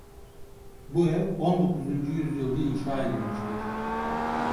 Bu ev on dokuzuncu yüzyılda inşa edilmiştir.